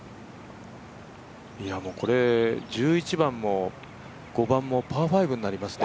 これ１１番も、５番もパー５になりますね。